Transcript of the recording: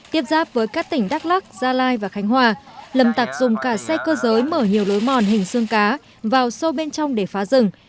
tiếp giáp với các tỉnh đắk lắc gia lai và khánh hòa lâm tạc dùng cả xe cơ giới mở nhiều lối mòn hình xương cá vào sâu bên trong để phá rừng